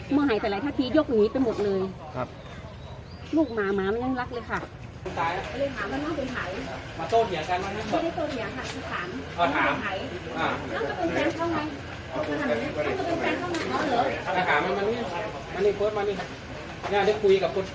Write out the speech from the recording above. เล็งไปถ่ายอ่ะฝืงสายหรือน่ะทำไงตอนนี้ต้องยิงเลยอ่ะ